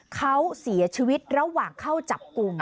เขาเสียชีวิตระหว่างเข้าจับกลุ่ม